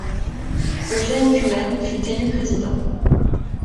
Eugene Cullen fut élu président.